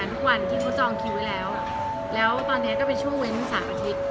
ทุกวันที่เขาจองคิวไว้แล้วแล้วตอนนี้ก็เป็นช่วงเว้น๓อาทิตย์